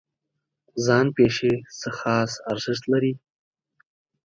ځان پېښې څه خاص ارزښت لري؟